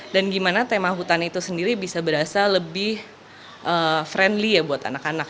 dan gimana tema hutan itu sendiri bisa berasa lebih friendly ya buat anak anak